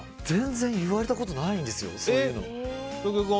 全然、言われたことないんですよ、そういうの。